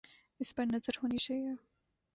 اس پہ نظر ہونی چاہیے۔